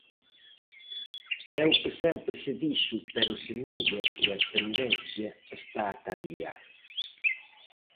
É o que sempre se dixo pero semella que a tendencia está a cambiar.